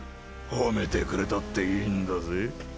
褒めてくれたっていいんだぜ？